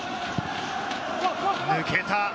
抜けた。